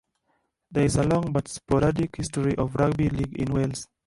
There is a long but sporadic history of rugby league in Wales.